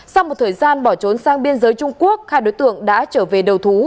sau một thời gian bỏ trốn sang biên giới trung quốc hai đối tượng đã trở về đầu thú